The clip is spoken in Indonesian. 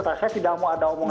saya tidak mau ada omongan